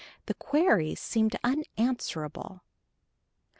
The query seemed unanswerable.